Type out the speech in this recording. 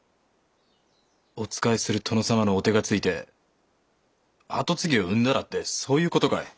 お仕えする殿様のお手がついて跡継ぎを産んだらってそういう事かい？